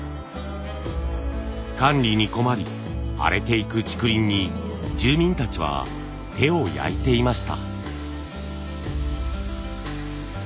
管理に困り荒れていく竹林に住民たちは手を焼いていました。